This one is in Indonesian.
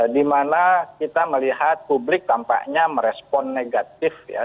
di mana kita melihat publik tampaknya merespon negatif ya